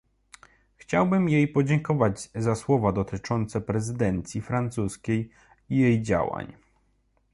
Chciałbym jej podziękować za słowa dotyczące prezydencji francuskiej i jej działań